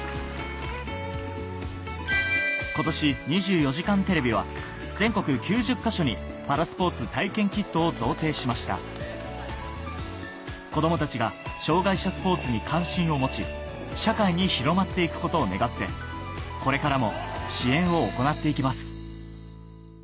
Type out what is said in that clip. ・今年『２４時間テレビ』は全国９０か所にパラスポーツ体験キットを贈呈しました子供たちが障がい者スポーツに関心を持ち社会に広まって行くことを願ってこれからも支援を行っていきます